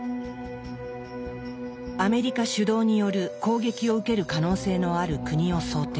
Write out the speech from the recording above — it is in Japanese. アメリカ主導による攻撃を受ける可能性のある国を想定。